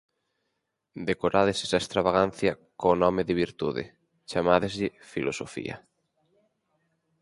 Decorades esa extravagancia co nome de virtude, chamádeslle filosofía.